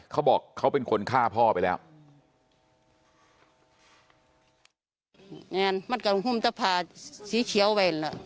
เขาบอกเขาเป็นคนฆ่าพ่อไปแล้ว